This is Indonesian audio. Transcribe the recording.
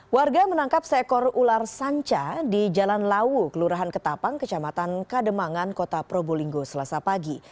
warga menangkap seekor ular sanca di jalan lawu kelurahan ketapang kecamatan kademangan kota probolinggo selasa pagi